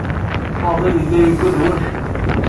Faḍil yella yugad war ccek.